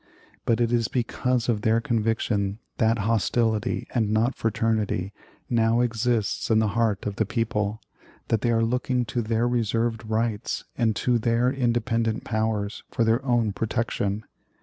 But it is because of their conviction that hostility, and not fraternity, now exists in the hearts of the people, that they are looking to their reserved rights and to their independent powers for their own protection.